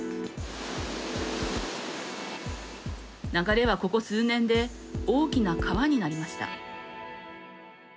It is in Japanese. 流れは、ここ数年で大きな川になりました。